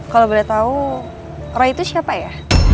kalau boleh tahu roy itu siapa ya